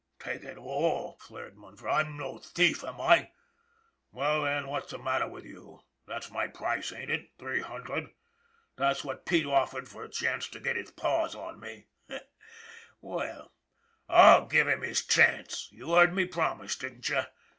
Take it all !" flared Munford. " I'm no thief, am I? Well, then, what's the matter with you? That's my price, ain't it ? Three hundred. That's what Pete offered for a chance to get his paws on me. Well, /'// give him his chance, you heard me promise, didn't you?